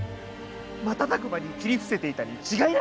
瞬く間に斬り伏せていたに違いない！